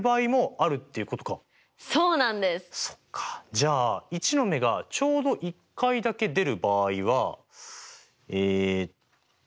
じゃあ１の目がちょうど１回だけ出る場合はえっと。